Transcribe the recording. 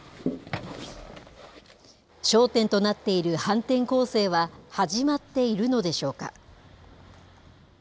焦点となっている反転攻勢は始まっているのでしょうか。